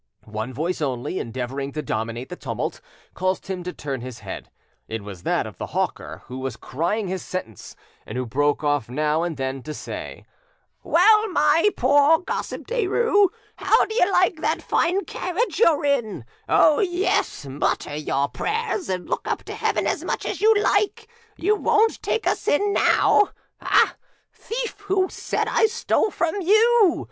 One voice only, endeavouring to dominate the tumult, caused him to turn his head: it was that of the hawker who was crying his sentence, and who broke off now and then to say— "Well! my poor gossip Derues, how do you like that fine carriage you're in? Oh yes, mutter your prayers and look up to heaven as much as you like, you won't take us in now. Ah! thief who said I stole from you!